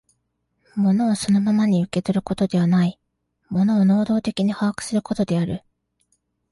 物をそのままに受け取ることではない、物を能働的に把握することである。